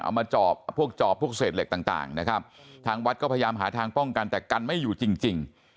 มาจอบพวกจอบพวกเศษเหล็กต่างนะครับทางวัดก็พยายามหาทางป้องกันแต่กันไม่อยู่จริง